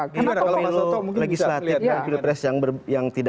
kalau kita lagi selatih dengan pilek pres yang